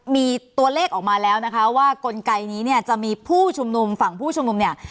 มีตัวเลขออกมาแล้วนะคะว่ากลไกนี้เนี่ยจะมีผู้ชุมนุมฝั่งผู้ชุมนุมเนี่ย